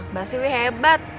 mbak siwi hebat